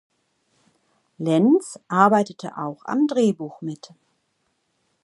Lenz arbeitete auch am Drehbuch mit.